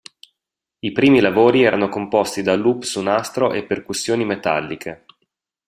I primi lavori erano composti da loop su nastro e percussioni metalliche.